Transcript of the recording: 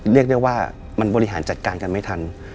เรียกได้ว่ามันบริหารจัดการกันไม่ทัน